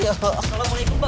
ayo assalamualaikum mbak